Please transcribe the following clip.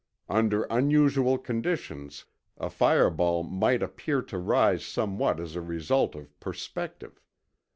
Under unusual conditions, a fireball might appear to rise somewhat as a result of perspective.